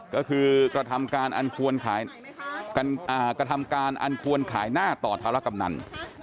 ก็คือกระทำการอันควรขายหน้าต่อทารกำหนัง